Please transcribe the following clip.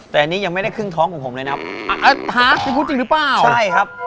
แต่อันนี้ยังไม่ได้ครึ่งท้องของผมเลยนะครับพูดจริงหรือเปล่าใช่ครับ